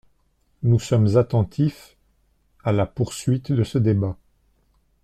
Nous sommes attentifs à la poursuite de ce débat.